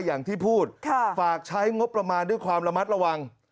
อย่างที่พูดฝากใช้งบประมาณด้วยความระมัดระวัง